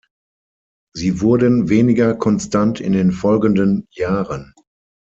Sie wurden weniger konstant in den folgenden Jahren.